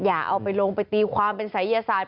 อย่าเอาไปลงไปตีความเป็นศัยยศาสต